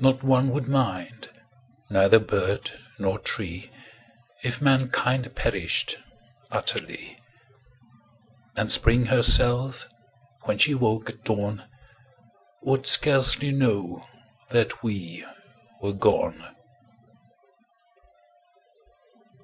Not one would mind, neither bird nor tree If mankind perished utterly; And Spring herself, when she woke at dawn, Would scarcely know that we were gone.